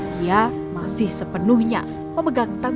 dia masih sepenuhnya pemegang tanggung jawab